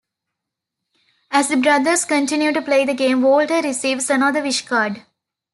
As the brothers continue to play the game, Walter receives another wish card.